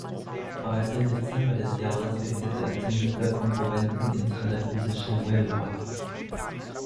Bereits im Dezember des Jahres wechselte er zum Ligakonkurrenten ins andalusische Huelva.